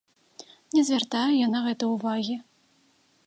Не звяртаю я на гэта ўвагі.